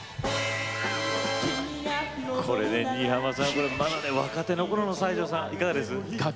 まだまだ若手のころの西城さん、いかがですか。